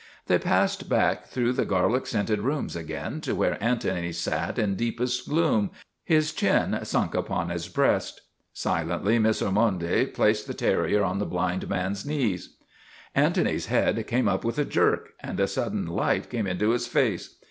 They passed back through the garlic scented rooms again to where Antony sat in deepest gloom, his chin sunk upon his breast. Silently Miss Or monde placed the terrier on the blind man's knees. Antony's head came up with a jerk and a sudden light came into his face.